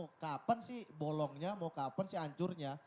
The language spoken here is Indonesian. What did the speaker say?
mau keapen sih bolongnya mau keapen sih ancurnya